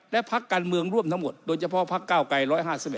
และพักการเมืองร่วมทั้งหมดโดยเฉพาะพักเก้าไกร๑๕๑